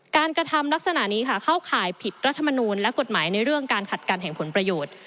กระทำลักษณะนี้ค่ะเข้าข่ายผิดรัฐมนูลและกฎหมายในเรื่องการขัดกันแห่งผลประโยชน์